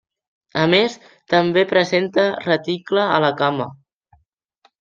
A més, també presenta reticle a la cama.